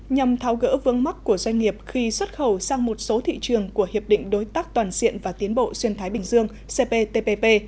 nhằm tháo gỡ vương mắc của doanh nghiệp khi xuất khẩu sang một số thị trường của hiệp định đối tác toàn diện và tiến bộ xuyên thái bình dương cptpp